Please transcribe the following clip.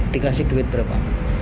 dikasih duit berapa